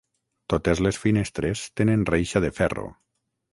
Totes les finestres tenen reixa de ferro.